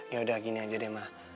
ya udah gini aja deh mah